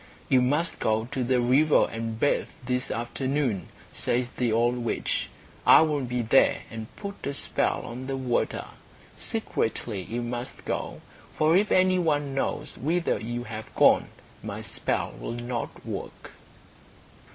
"You must go to the river and bathe this afternoon," says the old witch. "I will be there and put a spell on the water. Secretly you must go, for if any one knows whither you have gone my spell will not work."